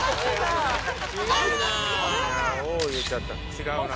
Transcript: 違うな。